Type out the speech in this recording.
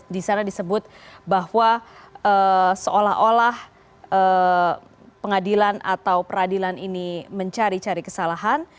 di sana disebut bahwa seolah olah pengadilan atau peradilan ini mencari cari kesalahan